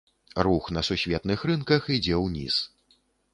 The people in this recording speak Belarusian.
Рух на сусветных рынках ідзе ўніз.